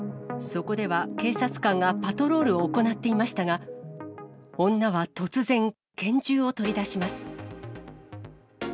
そこでは、警察官がパトロールを行っていましたが、女は突然、拳銃を取り出します。